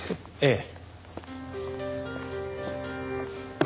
ええ。